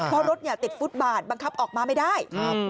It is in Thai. เพราะรถติดฟุตบาร์ดบังคับออกมาไม่ได้